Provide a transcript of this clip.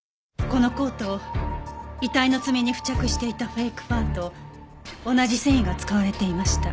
このコート遺体の爪に付着していたフェイクファーと同じ繊維が使われていました。